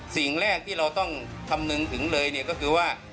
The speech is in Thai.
สิ่งแรกที่เราต้องคำนึงถึงเลยเนี่ยก็คือว่า